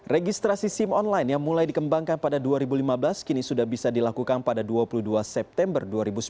registrasi sim online yang mulai dikembangkan pada dua ribu lima belas kini sudah bisa dilakukan pada dua puluh dua september dua ribu sembilan belas